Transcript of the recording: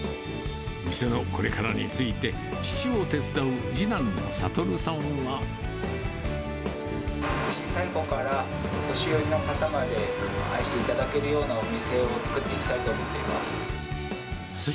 店のこれからについて、小さい子からお年寄りの方まで、愛していただけるようなお店を作っていきたいと思っています。